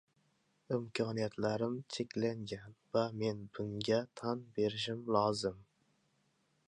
imkoniyatlarim cheklangan va men bunga tan berishim lozim».